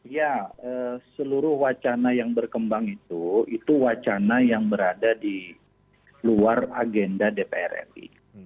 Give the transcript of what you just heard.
ya seluruh wacana yang berkembang itu itu wacana yang berada di luar agenda dpr ri